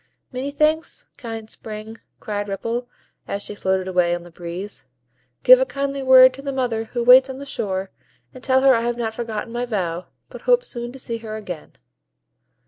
"Many thanks, kind Spring!" cried Ripple, as she floated away on the breeze; "give a kindly word to the mother who waits on the shore, and tell her I have not forgotten my vow, but hope soon to see her again."